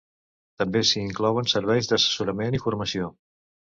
També s’hi inclouen serveis d’assessorament i formació.